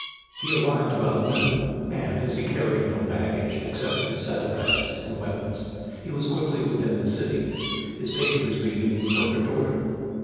He arrived about noon, and, as he carried no baggage except his saddle bags and weapons, he was quickly within the city, his papers being in perfect order.